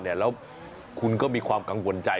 แล้วคุณก็มีความกังวลใจ